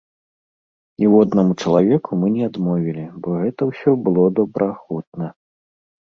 Ніводнаму чалавеку мы не адмовілі, бо гэта ўсё было добраахвотна.